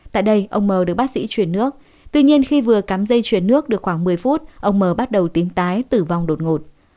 tại đây ông m được bác sĩ chuyển nước tuy nhiên khi vừa cắm dây chuyển nước được khoảng một mươi phút ông m bắt đầu tím tái tử vong đột ngột